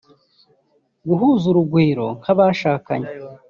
guhuza urugwiro kw’abashakanye